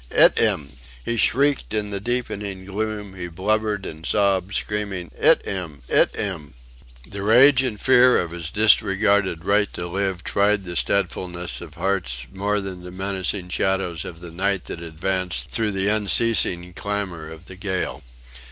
'It 'im!" He shrieked in the deepening gloom, he blubbered and sobbed, screaming: "'It 'im! 'It 'im!" The rage and fear of his disregarded right to live tried the steadfastness of hearts more than the menacing shadows of the night that advanced through the unceasing clamour of the gale.